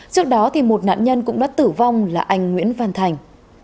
trước đó một nạn nhân cũng đã tử vong là anh nguyễn văn thành